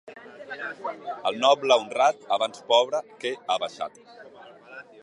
El noble honrat abans pobre que abaixat.